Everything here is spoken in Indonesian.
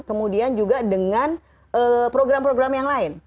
kemudian juga dengan program program yang lain